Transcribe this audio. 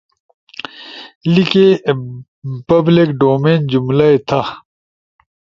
لیکے، بلک ڈومین جملہ ئی تھا